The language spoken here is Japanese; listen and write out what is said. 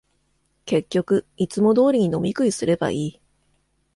結局、いつも通りに飲み食いすればいい